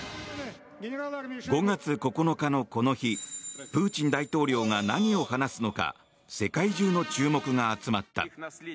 ５月９日のこの日プーチン大統領が何を話すのか世界中の注目が集まった。